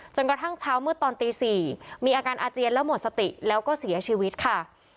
กระทั่งเช้ามืดตอนตี๔มีอาการอาเจียนแล้วหมดสติแล้วก็เสียชีวิตค่ะ